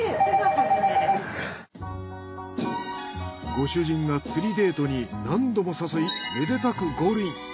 ご主人が釣りデートに何度も誘いめでたくゴールイン。